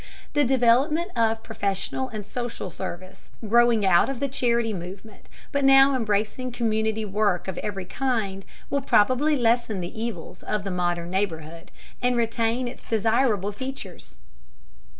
The development of professional social service, growing out of the charity movement, but now embracing community work of every kind, will probably lessen the evils of the modern neighborhood, and retain its desirable features.